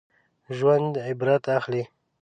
ژوندي عبرت اخلي